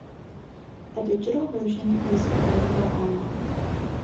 A digital version is available online.